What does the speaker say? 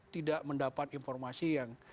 tidak mendapat informasi yang